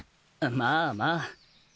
まあまあ。